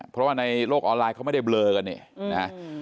เพราะว่าในโลกออนไลน์เขาไม่ได้เบลอกันเนี่ยนะ